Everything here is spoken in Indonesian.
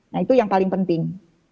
nah itu yang paling penting